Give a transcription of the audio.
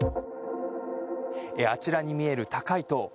あちらに見える高い塔。